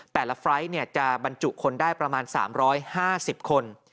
ไฟล์ทจะบรรจุคนได้ประมาณ๓๕๐คน